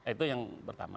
itu yang pertama